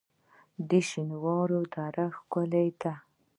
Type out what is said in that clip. د شینوارو دره ښکلې ده